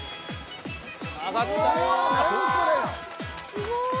すごい。